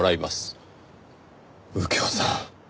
右京さん。